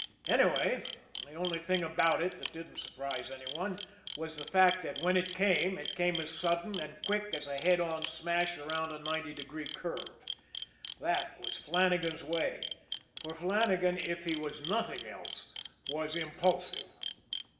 Anyway, the only thing about it that didn't surprise any one was the fact that, when it came, it came as sudden and quick as a head on smash around a ninety degree curve. That was Flannagan's way, for Flannagan, if he was nothing else, was impulsive.